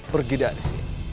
pergi dari sini